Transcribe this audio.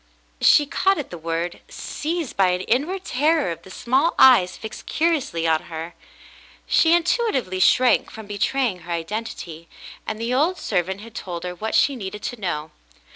She caught at the word. Seized by an inward terror of the small eyes fixed curiously on her, she intuitively shrank from betraying her identity, and the old servant had told her what she needed to know.